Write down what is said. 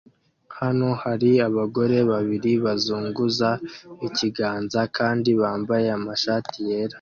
Hano hari abagore babiri bazunguza ikiganza kandi bambaye amashati yera